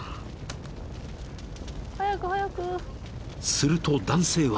［すると男性は］